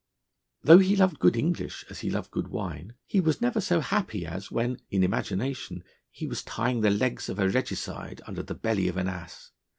Though he loved good English as he loved good wine, he was never so happy as when (in imagination) he was tying the legs of a Regicide under the belly of an ass.